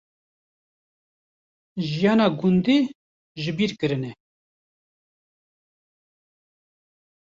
jiyîna gundî jibîrkirine